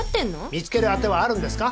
見つける当てはあるんですか？